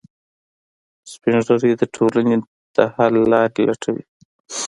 سپین ږیری د ټولنې د حل لارې لټوي